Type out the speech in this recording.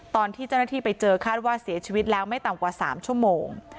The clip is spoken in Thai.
ตอนที่เจ้าหน้าที่ไปเจอคาดว่าเสียชีวิตแล้วไม่ต่ำกว่า๓ชั่วโมง